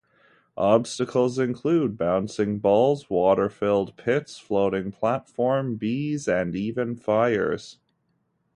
Obstacles include bouncing balls, water filled pits, floating platforms, bees, and even fires.